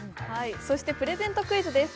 そしてプレゼントクイズです